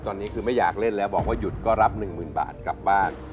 ตอนนี้คือไม่อยากเล่นแล้วบอกว่าหยุดก็รับ๑๐๐๐บาทกลับบ้าน